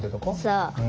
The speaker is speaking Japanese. そう。